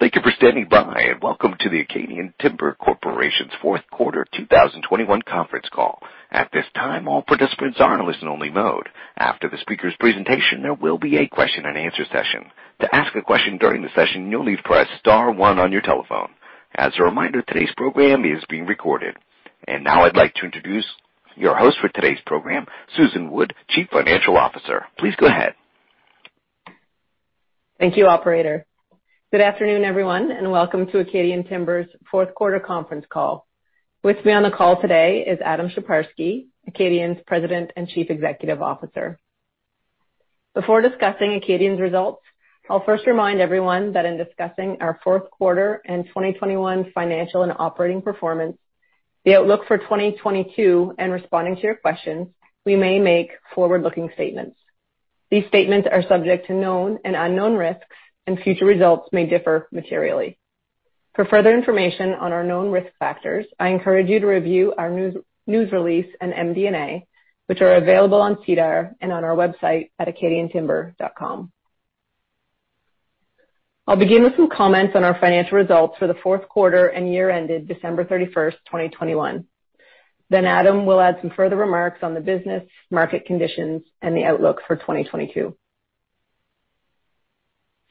Thank you for standing by, and welcome to the Acadian Timber Corp.'s Q4 2021 conference call. At this time, all participants are in listen only mode. After the speaker's presentation, there will be a question and answer session. To ask a question during the session, you'll need to press * one on your telephone. As a reminder, today's program is being recorded. Now I'd like to introduce your host for today's program, Susan Wood, Chief Financial Officer. Please go ahead. Thank you, operator. Good afternoon, everyone, and welcome to Acadian Timber's Q4 conference call. With me on the call today is Adam Sheparski, Acadian's President and Chief Executive Officer. Before discussing Acadian's results, I'll first remind everyone that in discussing our Q4 and 2021 financial and operating performance, the outlook for 2022, and responding to your questions, we may make forward-looking statements. These statements are subject to known and unknown risks, and future results may differ materially. For further information on our known risk factors, I encourage you to review our news release and MD&A, which are available on SEDAR and on our website at acadiantimber.com. I'll begin with some comments on our financial results for the Q4 and year ended December 31, 2021. Then Adam will add some further remarks on the business, market conditions, and the outlook for 2022.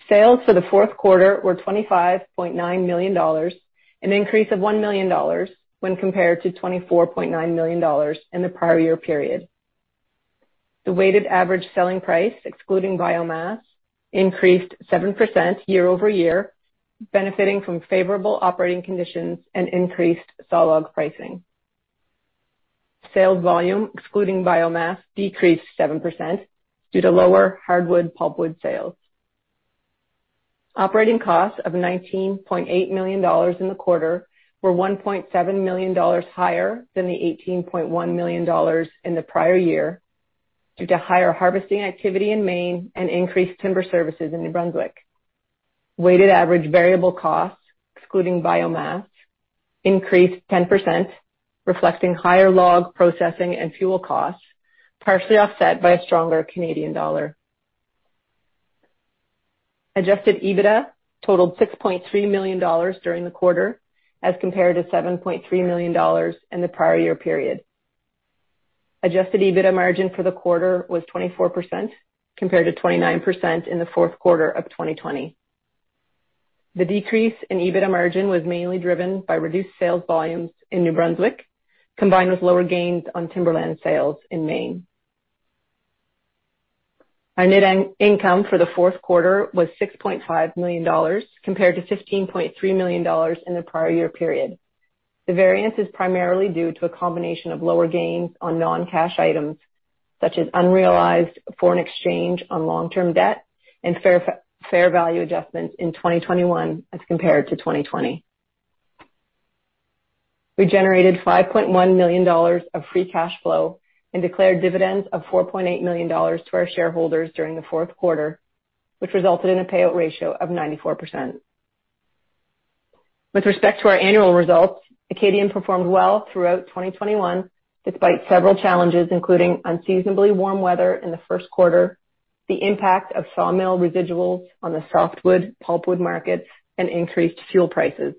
Sales for the Q4 were 25.9 million dollars, an increase of 1 million dollars when compared to 24.9 million dollars in the prior year period. The weighted average selling price, excluding biomass, increased 7% year-over-year, benefiting from favorable operating conditions and increased sawlog pricing. Sales volume, excluding biomass, decreased 7% due to lower hardwood pulpwood sales. Operating costs of 19.8 million dollars in the quarter were 1.7 million dollars higher than the 18.1 million dollars in the prior year due to higher harvesting activity in Maine and increased timber services in New Brunswick. Weighted average variable costs, excluding biomass, increased 10%, reflecting higher log processing and fuel costs, partially offset by a stronger Canadian dollar. Adjusted EBITDA totaled $6.3 million during the quarter as compared to $7.3 million in the prior year period. Adjusted EBITDA margin for the quarter was 24%, compared to 29% in the Q4 of 2020. The decrease in EBITDA margin was mainly driven by reduced sales volumes in New Brunswick, combined with lower gains on timberland sales in Maine. Our net income for the Q4 was $6.5 million, compared to $15.3 million in the prior year period. The variance is primarily due to a combination of lower gains on non-cash items, such as unrealized foreign exchange on long-term debt and fair value adjustments in 2021 as compared to 2020. We generated 5.1 million dollars of free cash flow and declared dividends of 4.8 million dollars to our shareholders during the Q4, which resulted in a payout ratio of 94%. With respect to our annual results, Acadian performed well throughout 2021, despite several challenges, including unseasonably warm weather in the Q1, the impact of sawmill residuals on the softwood pulpwood markets, and increased fuel prices.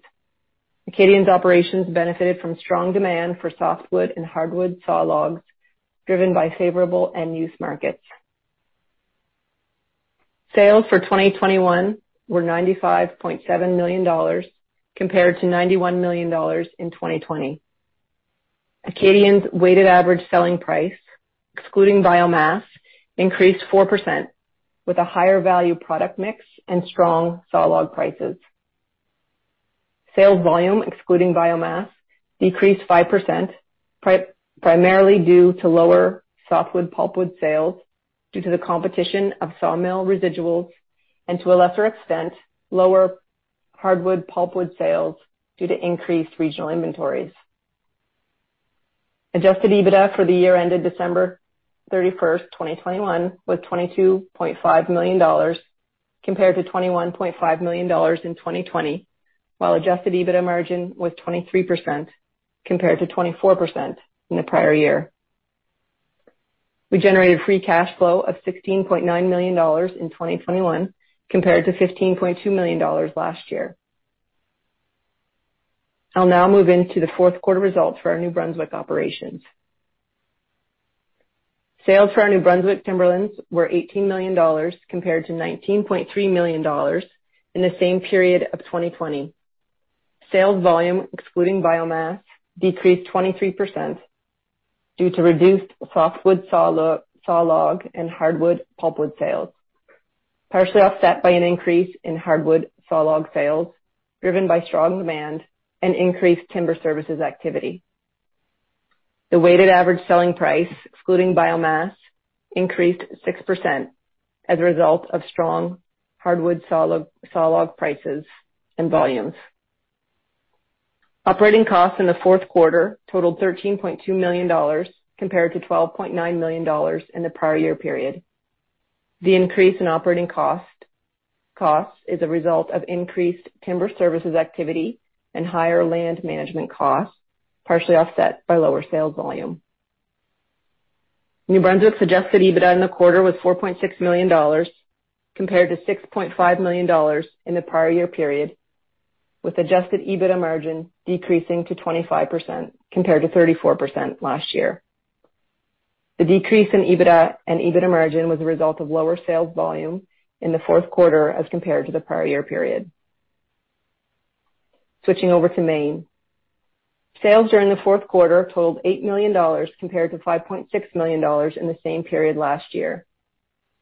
Acadian's operations benefited from strong demand for softwood and hardwood sawlogs driven by favorable end-use markets. Sales for 2021 were 95.7 million dollars compared to 91 million dollars in 2020. Acadian's weighted average selling price, excluding biomass, increased 4% with a higher value product mix and strong sawlog prices. Sales volume, excluding biomass, decreased 5% primarily due to lower softwood pulpwood sales due to the competition of sawmill residuals and, to a lesser extent, lower hardwood pulpwood sales due to increased regional inventories. Adjusted EBITDA for the year ended December 31, 2021, was 22.5 million dollars, compared to 21.5 million dollars in 2020, while adjusted EBITDA margin was 23%, compared to 24% in the prior year. We generated free cash flow of 16.9 million dollars in 2021, compared to 15.2 million dollars last year. I'll now move into the Q4 results for our New Brunswick operations. Sales for our New Brunswick timberlands were 18 million dollars compared to 19.3 million dollars in the same period of 2020. Sales volume, excluding biomass, decreased 23% due to reduced softwood sawlog and hardwood pulpwood sales, partially offset by an increase in hardwood sawlog sales driven by strong demand and increased timber services activity. The weighted average selling price, excluding biomass, increased 6% as a result of strong hardwood sawlog prices and volumes. Operating costs in the Q4 totaled 13.2 million dollars compared to 12.9 million dollars in the prior year period. The increase in operating costs is a result of increased timber services activity and higher land management costs, partially offset by lower sales volume. New Brunswick adjusted EBITDA in the quarter was 4.6 million dollars, compared to 6.5 million dollars in the prior year period, with adjusted EBITDA margin decreasing to 25% compared to 34% last year. The decrease in EBITDA and EBITDA margin was a result of lower sales volume in the Q4 as compared to the prior year period. Switching over to Maine. Sales during the Q4 totaled 8 million dollars compared to 5.6 million dollars in the same period last year.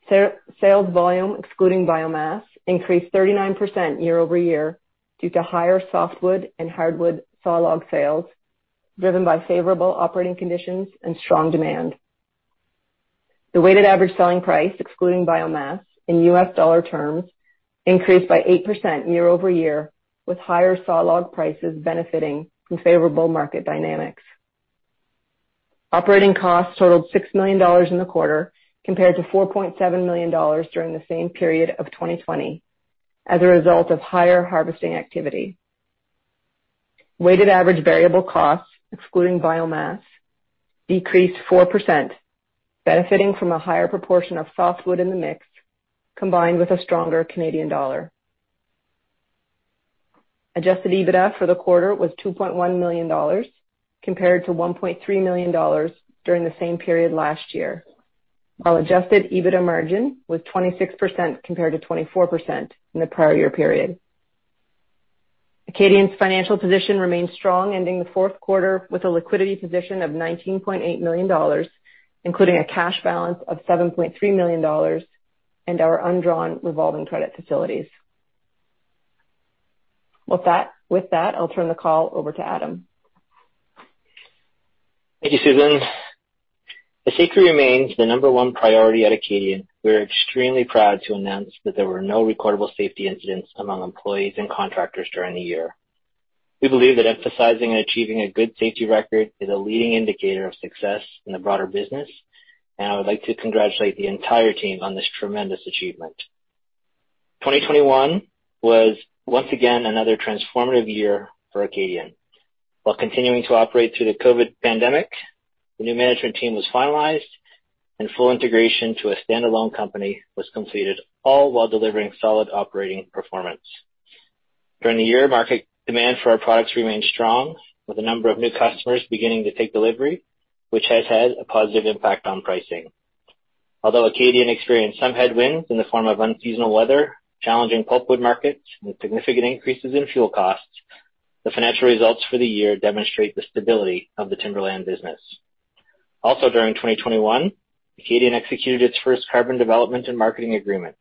Sales volume, excluding biomass, increased 39% year-over-year due to higher softwood and hardwood sawlog sales, driven by favorable operating conditions and strong demand. The weighted average selling price, excluding biomass in US dollar terms, increased by 8% year-over-year, with higher sawlog prices benefiting from favorable market dynamics. Operating costs totaled 6 million dollars in the quarter compared to 4.7 million dollars during the same period of 2020, as a result of higher harvesting activity. Weighted average variable costs, excluding biomass, decreased 4%, benefiting from a higher proportion of softwood in the mix, combined with a stronger Canadian dollar. Adjusted EBITDA for the quarter was 2.1 million dollars compared to 1.3 million dollars during the same period last year, while adjusted EBITDA margin was 26% compared to 24% in the prior year period. Acadian's financial position remains strong, ending the Q4 with a liquidity position of 19.8 million dollars, including a cash balance of 7.3 million dollars and our undrawn revolving credit facilities. With that, I'll turn the call over to Adam. Thank you, Susan. As safety remains the number one priority at Acadian, we are extremely proud to announce that there were no recordable safety incidents among employees and contractors during the year. We believe that emphasizing and achieving a good safety record is a leading indicator of success in the broader business, and I would like to congratulate the entire team on this tremendous achievement. 2021 was once again another transformative year for Acadian. While continuing to operate through the COVID pandemic, the new management team was finalized and full integration to a standalone company was completed, all while delivering solid operating performance. During the year, market demand for our products remained strong, with a number of new customers beginning to take delivery, which has had a positive impact on pricing. Although Acadian experienced some headwinds in the form of unseasonal weather, challenging pulpwood markets, and significant increases in fuel costs, the financial results for the year demonstrate the stability of the timberland business. Also during 2021, Acadian executed its first carbon development and marketing agreement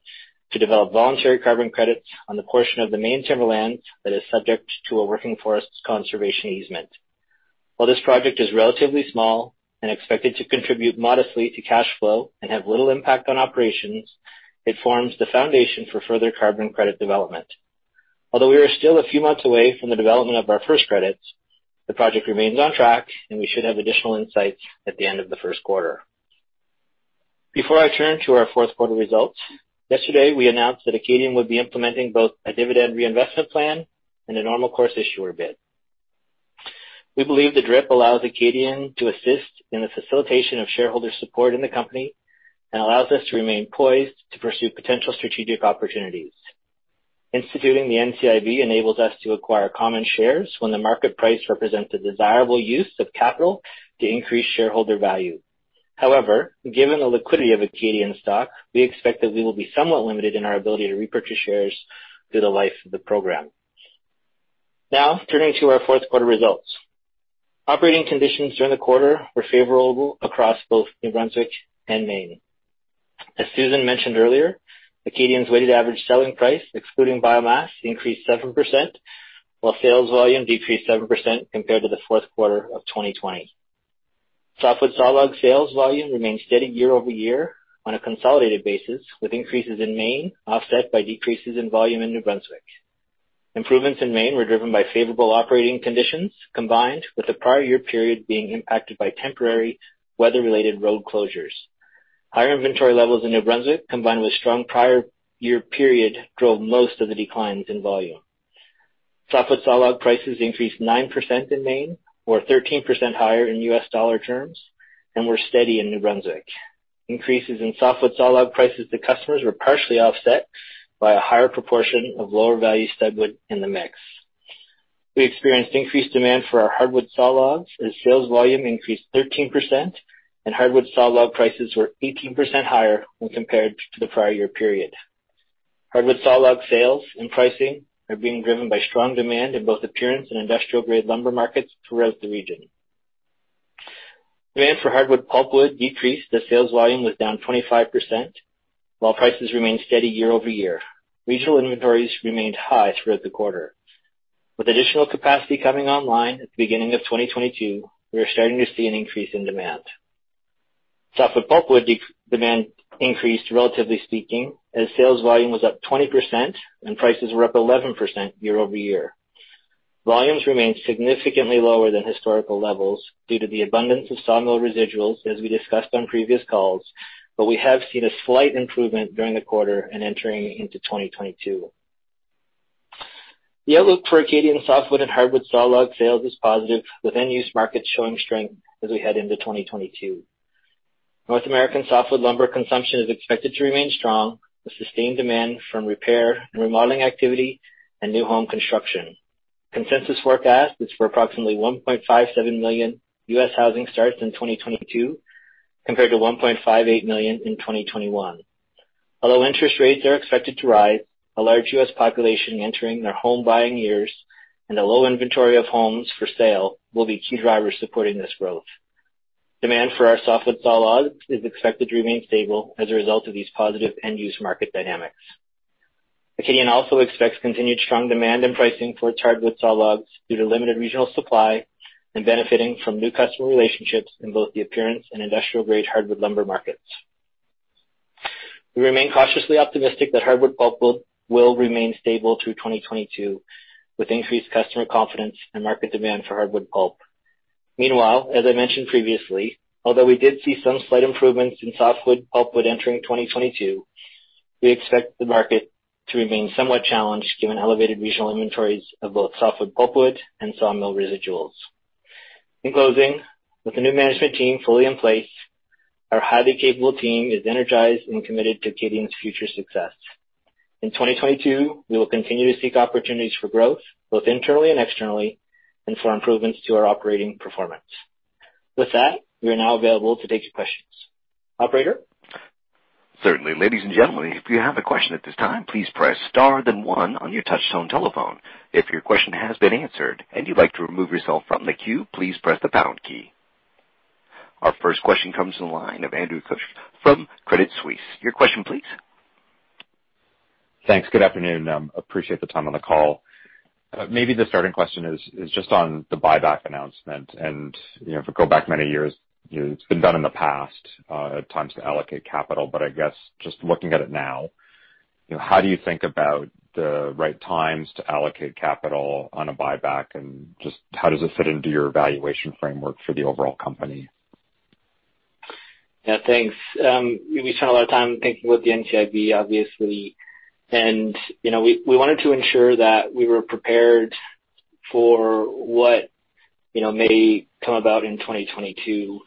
to develop voluntary carbon credits on the portion of the Maine timberland that is subject to a working forest conservation easement. While this project is relatively small and expected to contribute modestly to cash flow and have little impact on operations, it forms the foundation for further carbon credit development. Although we are still a few months away from the development of our first credits, the project remains on track, and we should have additional insights at the end of the Q1. Before I turn to our Q4 results, yesterday, we announced that Acadian would be implementing both a dividend reinvestment plan and a normal course issuer bid. We believe the DRIP allows Acadian to assist in the facilitation of shareholder support in the company and allows us to remain poised to pursue potential strategic opportunities. Instituting the NCIB enables us to acquire common shares when the market price represents a desirable use of capital to increase shareholder value. However, given the liquidity of Acadian stock, we expect that we will be somewhat limited in our ability to repurchase shares through the life of the program. Now turning to our Q4 results. Operating conditions during the quarter were favorable across both New Brunswick and Maine. As Susan mentioned earlier, Acadian's weighted average selling price, excluding biomass, increased 7%, while sales volume decreased 7% compared to the Q4 of 2020. Softwood sawlog sales volume remained steady year-over-year on a consolidated basis, with increases in Maine offset by decreases in volume in New Brunswick. Improvements in Maine were driven by favorable operating conditions combined with the prior year period being impacted by temporary weather-related road closures. Higher inventory levels in New Brunswick combined with strong prior year period drove most of the declines in volume. Softwood sawlog prices increased 9% in Maine, or 13% higher in U.S. dollar terms, and were steady in New Brunswick. Increases in softwood sawlog prices to customers were partially offset by a higher proportion of lower value studwood in the mix. We experienced increased demand for our hardwood sawlogs as sales volume increased 13% and hardwood sawlog prices were 18% higher when compared to the prior year period. Hardwood sawlog sales and pricing are being driven by strong demand in both appearance and industrial-grade lumber markets throughout the region. Demand for hardwood pulpwood decreased as sales volume was down 25%, while prices remained steady year-over-year. Regional inventories remained high throughout the quarter. With additional capacity coming online at the beginning of 2022, we are starting to see an increase in demand. Softwood pulpwood demand increased, relatively speaking, as sales volume was up 20% and prices were up 11% year-over-year. Volumes remained significantly lower than historical levels due to the abundance of sawmill residuals, as we discussed on previous calls, but we have seen a slight improvement during the quarter and entering into 2022. The outlook for Acadian softwood and hardwood sawlogs sales is positive with end-use markets showing strength as we head into 2022. North American softwood lumber consumption is expected to remain strong, with sustained demand from repair and remodeling activity and new home construction. Consensus forecast is for approximately 1.57 million U.S. housing starts in 2022 compared to 1.58 million in 2021. Although interest rates are expected to rise, a large U.S. population entering their home buying years and a low inventory of homes for sale will be key drivers supporting this growth. Demand for our softwood sawlogs is expected to remain stable as a result of these positive end-use market dynamics. Acadian also expects continued strong demand and pricing for its hardwood sawlogs due to limited regional supply and benefiting from new customer relationships in both the appearance and industrial grade hardwood lumber markets. We remain cautiously optimistic that hardwood pulpwood will remain stable through 2022, with increased customer confidence and market demand for hardwood pulpwood. Meanwhile, as I mentioned previously, although we did see some slight improvements in softwood pulpwood entering 2022, we expect the market to remain somewhat challenged given elevated regional inventories of both softwood pulpwood and sawmill residuals. In closing, with the new management team fully in place, our highly capable team is energized and committed to Acadian's future success. In 2022, we will continue to seek opportunities for growth, both internally and externally, and for improvements to our operating performance. With that, we are now available to take your questions. Operator? Certainly. Ladies and gentlemen, if you have a question at this time, please press star then one on your touch tone telephone. If your question has been answered and you'd like to remove yourself from the queue, please press the pound key. Our first question comes to the line of Andrew Kuske from Credit Suisse. Your question please. Thanks. Good afternoon. Appreciate the time on the call. Maybe the starting question is just on the buyback announcement. You know, if we go back many years, you know, it's been done in the past, at times to allocate capital, but I guess just looking at it now, you know, how do you think about the right times to allocate capital on a buyback? Just how does it fit into your valuation framework for the overall company? Yeah, thanks. We spent a lot of time thinking about the NCIB, obviously. You know, we wanted to ensure that we were prepared for what, you know, may come about in 2022. You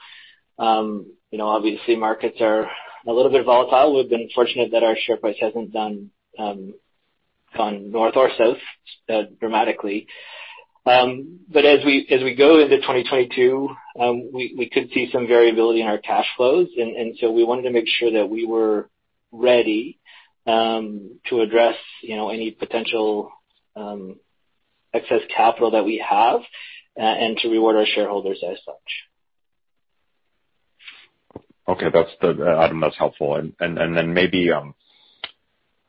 know, obviously markets are a little bit volatile. We've been fortunate that our share price hasn't gone north or south dramatically. As we go into 2022, we could see some variability in our cash flows. We wanted to make sure that we were ready to address, you know, any potential excess capital that we have and to reward our shareholders as such. Okay. That's Adam, that's helpful. Then maybe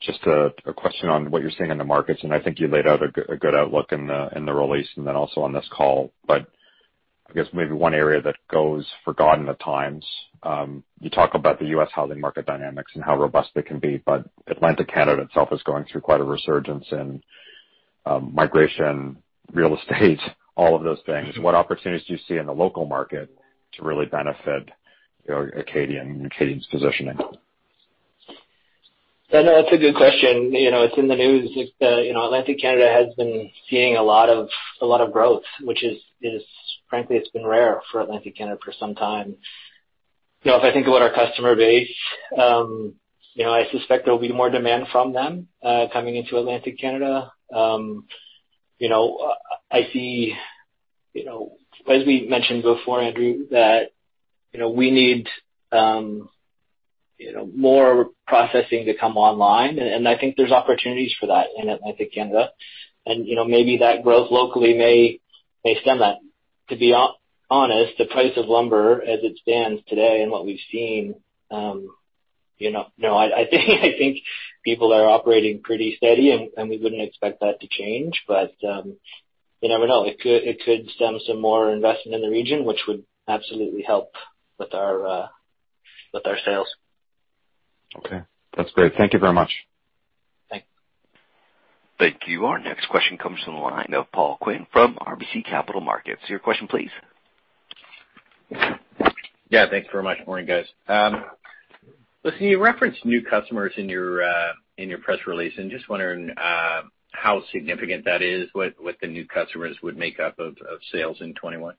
just a question on what you're seeing in the markets, and I think you laid out a good outlook in the release and then also on this call. I guess maybe one area that goes forgotten at times, you talk about the U.S. housing market dynamics and how robust they can be, but Atlantic Canada itself is going through quite a resurgence in migration, real estate, all of those things. What opportunities do you see in the local market to really benefit, you know, Acadian's positioning? I know that's a good question. You know, it's in the news. It's you know, Atlantic Canada has been seeing a lot of growth, which is frankly, it's been rare for Atlantic Canada for some time. You know, if I think about our customer base, you know, I suspect there'll be more demand from them coming into Atlantic Canada. You know, I see you know, as we mentioned before, Andrew, that you know, we need you know, more processing to come online and I think there's opportunities for that in Atlantic Canada. You know, maybe that growth locally may stem that. To be honest, the price of lumber as it stands today and what we've seen, you know, no, I think people are operating pretty steady and we wouldn't expect that to change. You never know. It could stem some more investment in the region, which would absolutely help with our sales. Okay. That's great. Thank you very much. Thank you. Thank you. Our next question comes from the line of Paul Quinn from RBC Capital Markets. Your question please. Yeah. Thanks very much. Morning, guys. Listen, you referenced new customers in your press release, and just wondering how significant that is, what the new customers would make up of sales in 2021.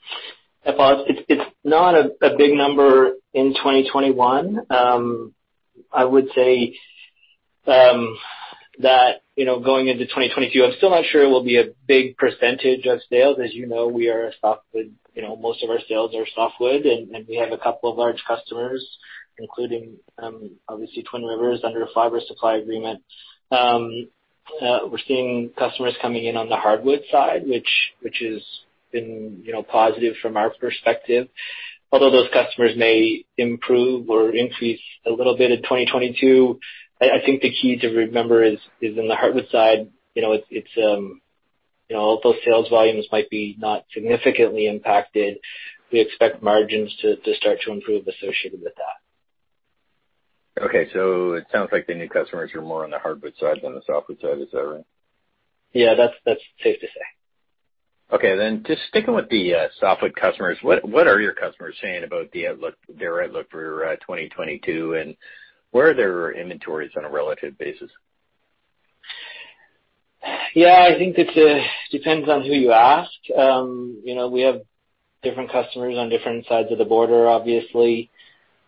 Yeah, Paul, it's not a big number in 2021. I would say that you know, going into 2022, I'm still not sure it will be a big percentage of sales. As you know, we are a softwood you know, most of our sales are softwood, and we have a couple of large customers, including obviously Twin Rivers under a fiber supply agreement. We're seeing customers coming in on the hardwood side, which has been you know, positive from our perspective. Although those customers may improve or increase a little bit in 2022, I think the key to remember is in the hardwood side, you know, it's you know, although sales volumes might be not significantly impacted, we expect margins to start to improve associated with that. Okay. It sounds like the new customers are more on the hardwood side than the softwood side. Is that right? Yeah. That's safe to say. Okay, just sticking with the softwood customers, what are your customers saying about the outlook, their outlook for 2022? Where are their inventories on a relative basis? Yeah, I think it depends on who you ask. You know, we have different customers on different sides of the border, obviously,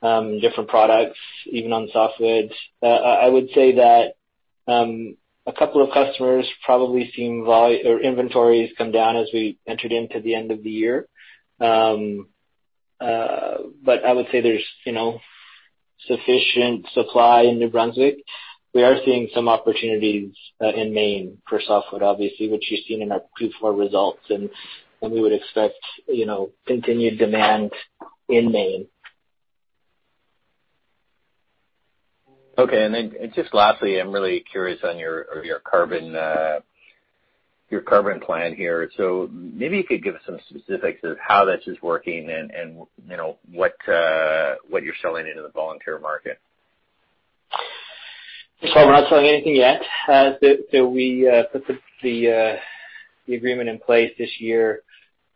different products, even on softwoods. I would say that a couple of customers probably seen volume or inventories come down as we entered into the end of the year. I would say there's, you know, sufficient supply in New Brunswick. We are seeing some opportunities in Maine for softwood, obviously, which you've seen in our Q4 results, and we would expect, you know, continued demand in Maine. Okay. Just lastly, I'm really curious about your carbon plan here. Maybe you could give us some specifics of how this is working, and you know what you're selling into the voluntary market. We're not selling anything yet. We put the agreement in place this year.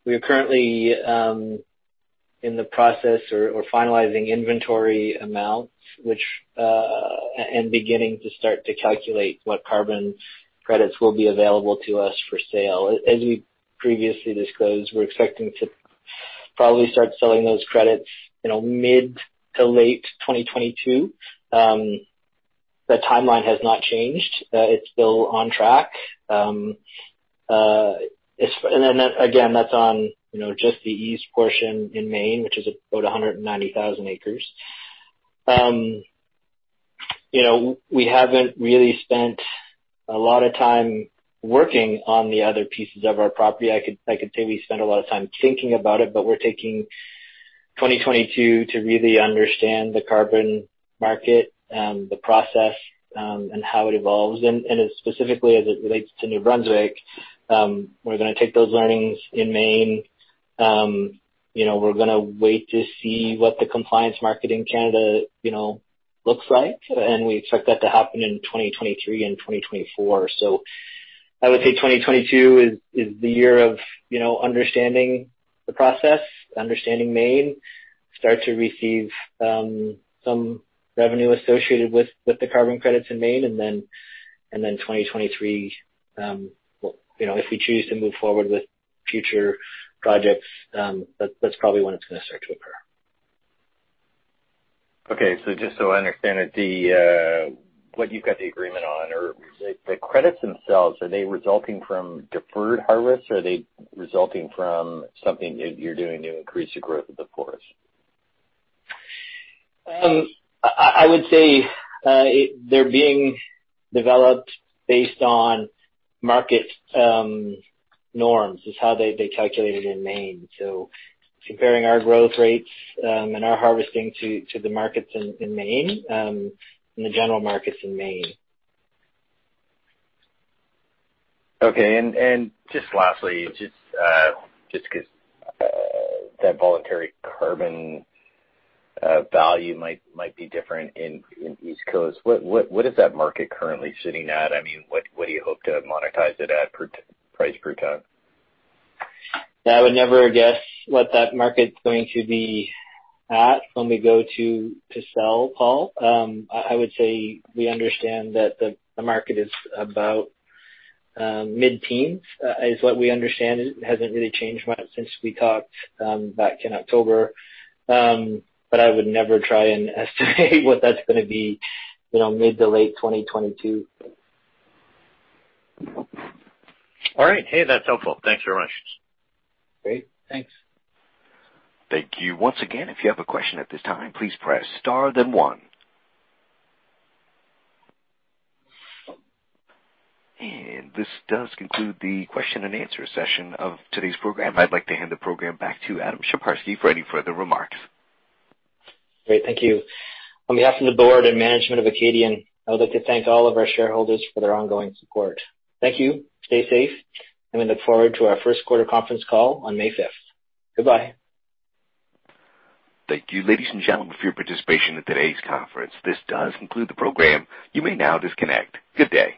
We are currently in the process of finalizing inventory amounts and beginning to calculate what carbon credits will be available to us for sale. As we previously disclosed, we're expecting to probably start selling those credits, you know, mid-to-late 2022. That timeline has not changed. It's still on track. That's on, you know, just the east portion in Maine, which is about 190,000 acres. You know, we haven't really spent a lot of time working on the other pieces of our property. I could say we spend a lot of time thinking about it, but we're taking 2022 to really understand the carbon market, the process, and how it evolves. As specifically as it relates to New Brunswick, we're gonna take those learnings in Maine. You know, we're gonna wait to see what the compliance market in Canada, you know, looks like, and we expect that to happen in 2023 and 2024. I would say 2022 is the year of, you know, understanding the process, understanding Maine, start to receive some revenue associated with the carbon credits in Maine, and then 2023, you know, if we choose to move forward with future projects, that's probably when it's gonna start to occur. Okay. Just so I understand it, the what you've got the agreement on or the credits themselves, are they resulting from deferred harvests? Are they resulting from something that you're doing to increase the growth of the forest? I would say they're being developed based on market norms. It's how they calculate it in Maine. Comparing our growth rates and our harvesting to the markets in Maine and the general markets in Maine. Okay. Just lastly 'cause that voluntary carbon value might be different in East Coast. What is that market currently sitting at? I mean, what do you hope to monetize it at price per ton? I would never guess what that market's going to be at when we go to sell, Paul. I would say we understand that the market is about mid-teens is what we understand. It hasn't really changed much since we talked back in October. I would never try and estimate what that's gonna be, you know, mid- to late 2022. All right. Hey, that's helpful. Thanks very much. Great. Thanks. Thank you. Once again, if you have a question at this time, please press star then one. This does conclude the question and answer session of today's program. I'd like to hand the program back to Adam Sheparski for any further remarks. Great. Thank you. On behalf of the board and management of Acadian, I would like to thank all of our shareholders for their ongoing support. Thank you. Stay safe, and we look forward to our Q1 conference call on May 5. Goodbye. Thank you, ladies and gentlemen, for your participation in today's conference. This does conclude the program. You may now disconnect. Good day.